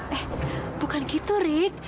eh bukan gitu rik